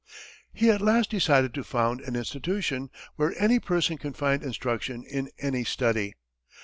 He at last decided to found an institution "where any person can find instruction in any study."